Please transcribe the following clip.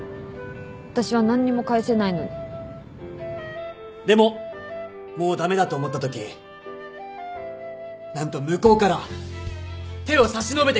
私は何にも返せないのにでももう駄目だと思ったとき何と向こうから手を差し伸べてくれたんです！